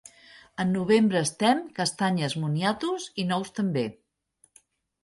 En novembre estem, castanyes, moniatos i nous també.